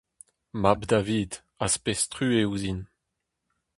Mab David, az pez truez ouzhin.